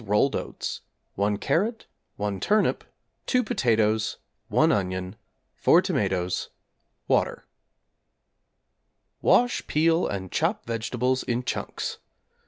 rolled oats, 1 carrot, 1 turnip, 2 potatoes, 1 onion, 4 tomatoes, water. Wash, peel, and chop vegetables in chunks.